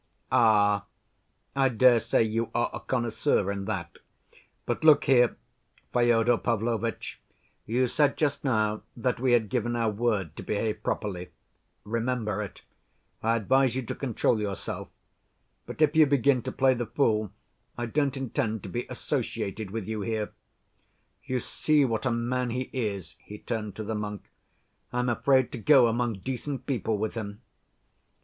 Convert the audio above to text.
"Ah, I dare say you are a connoisseur in that. But, look here, Fyodor Pavlovitch, you said just now that we had given our word to behave properly. Remember it. I advise you to control yourself. But, if you begin to play the fool I don't intend to be associated with you here.... You see what a man he is"—he turned to the monk—"I'm afraid to go among decent people with him."